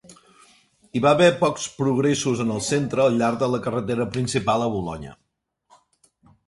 Hi va haver pocs progressos en el centre al llarg de la carretera principal a Bolonya.